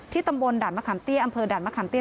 ที่ตำบลดัดมะขำเตี้ยอำเภอดัดมะขำเตี้ย